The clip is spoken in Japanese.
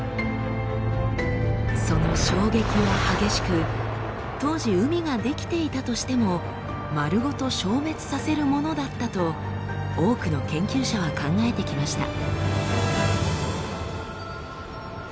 その衝撃は激しく当時海が出来ていたとしても丸ごと消滅させるものだったと多くの研究者は考えてきました。